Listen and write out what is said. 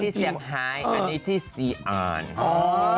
อันนี้เสียงไฮอันนี้ที่ซีอาร์น